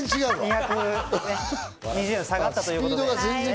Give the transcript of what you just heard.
２２０円の差があったということで。